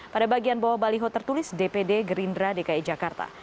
pada bagian bawah baliho tertulis dpd gerindra dki jakarta